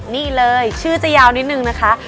นี่เลยชื่อจะยาวนิดนึงนะคะ